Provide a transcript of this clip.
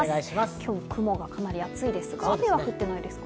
今日、雲がかなり厚いですか？